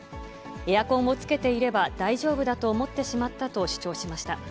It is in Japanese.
エアコンをつけていれば大丈夫だと思ってしまったと主張しました。